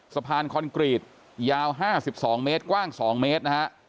สะพานคอนกรีตยาวห้าสิบสองเมตรกว้างสองเมตรนะฮะ